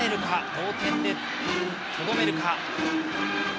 同点でとどめるか。